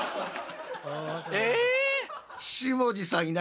え！